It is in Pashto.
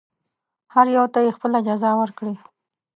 هر یوه ته یې خپله جزا ورکړي.